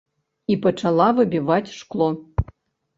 І пачала выбіваць шкло.